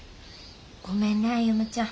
ごめんね歩ちゃん。